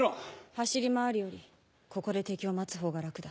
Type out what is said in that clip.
走り回るよりここで敵を待つほうが楽だ。